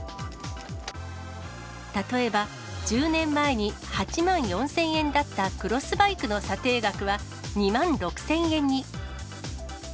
例えば、１０年前に８万４０００円だったクロスバイクの査定額は２万６０００円に。